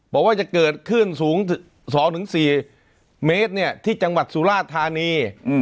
บอกว่าจะเกิดขึ้นสูง๒๔เมตรที่จังหวัดสุราธานี